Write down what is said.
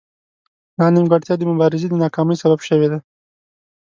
دا نیمګړتیا د مبارزې د ناکامۍ سبب شوې ده